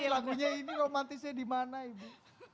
lagunya ini romantisnya dimana ibu